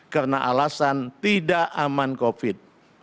karena alasan tidak aman covid